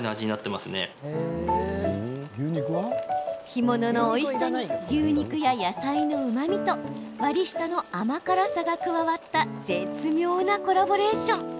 干物のおいしさに牛肉や野菜のうまみと割り下の甘辛さが加わった絶妙なコラボレーション。